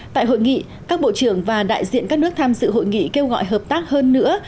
tại hội nghị các bộ trưởng và đại diện các nước tham dự hội nghị kêu gọi hợp tác hơn nữa